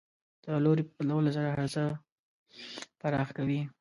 د لوري په بدلولو سره هر څه پراخ کوي.